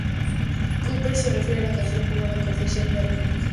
Cooper se refiere a la canción como "la confesión de un alcohólico".